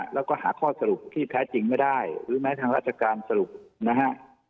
แล้วก็หาข้อสรุปที่แท้จริงไม่ได้หรือแม้ทางราชการสรุปนะฮะ